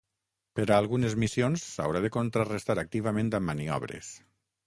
Per a algunes missions s'haurà de contrarestar activament amb maniobres.